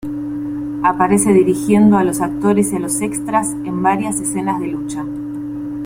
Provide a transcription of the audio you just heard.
Aparece dirigiendo a los actores y los extras en varias escenas de lucha.